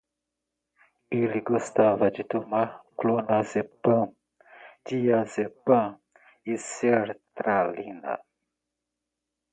Ele gostava de tomar clonazepam, diazepam e sertralina